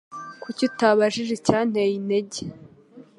Kuki utabajije icyateye inenge?